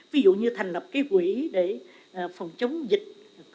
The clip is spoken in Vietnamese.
ví dụ như thành lập cái quỹ để phòng chống dịch